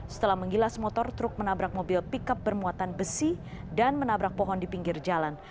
setelah menggilas motor truk menabrak mobil pickup bermuatan besi dan menabrak pohon di pinggir jalan